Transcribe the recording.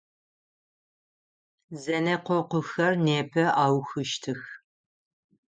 Зэнэкъокъухэр непэ аухыщтых.